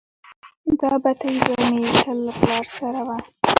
دا بتۍ به مې تل له پلار سره وه.